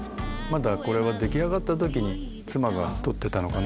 これは出来上がった時に妻が撮ってたのかな。